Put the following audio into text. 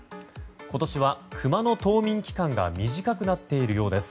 今年はクマの冬眠期間が短くなっているようです。